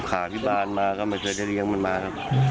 ขาพิบาลมาก็ไม่เคยได้เลี้ยงมันมาครับ